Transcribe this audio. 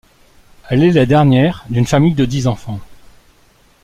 Elle est la dernière d’une famille de dix enfants.